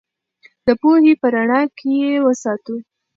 د پوهې په رڼا کې یې وساتو.